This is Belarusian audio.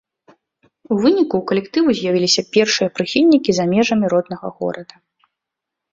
У выніку у калектыву з'явіліся першыя прыхільнікі за межамі роднага горада.